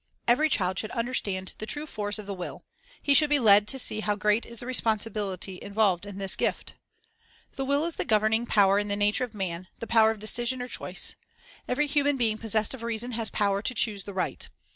Every child should understand the true force of the will. He should be led to see how great is the responsi Fa/ue of ., r Will Power bility involved in this gift. The will is the governing power in the nature of man, the power of decision, or choice. Every human being possessed of reason has power to choose the right.